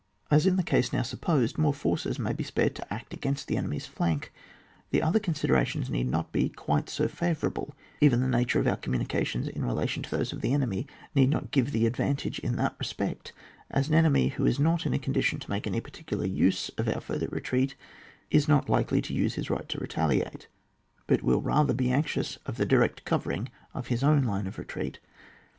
As in the case now supposed more forces may be spared to act against the enemy's flank, the other conditions need not be quite so favourable : even the nature of our communications in relation to those of the enemy need not give us the advantage in that respect, as an enemy who is not in a condition to make any particular use of our further retreat is not likely to use his right to retaliate, but will rather be anxious about the di rect covering of his own line of retreat.